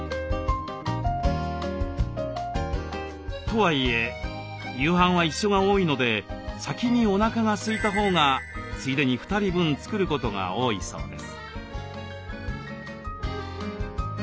とはいえ夕飯は一緒が多いので先におなかがすいたほうがついでに２人分作ることが多いそうです。